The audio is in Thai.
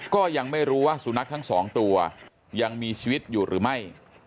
ก็ยังไม่รู้ว่าสุนัขทั้งสองตัวยังมีชีวิตอยู่หรือไม่